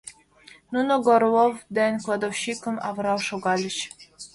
Нуно Горлов ден кладовщикым авырал шогальыч.